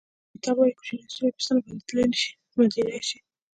متل وایي کوچنی سوری په ستن بندېدلای شي.